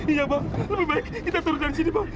iya bang lebih baik kita turun dari sini bang